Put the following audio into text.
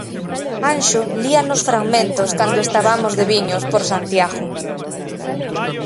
Anxo líanos fragmentos cando estabamos de viños por Santiago.